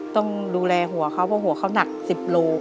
ต้องดูแลหัวเขาเพราะหัวเขาหนัก๑๐โล